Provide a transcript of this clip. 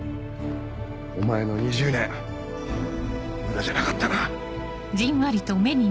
お前の２０年無駄じゃなかったな。